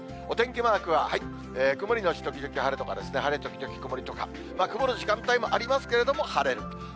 お天気マークは曇り後時々晴れとかですね、晴れ時々曇りとか、曇る時間帯もありますけれども、晴れると。